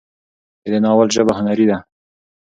د دې ناول ژبه هنري ده